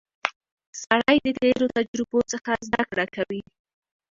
سړی د تېرو تجربو څخه زده کړه کوي